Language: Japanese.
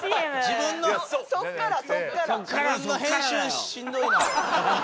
自分の編集しんどいな。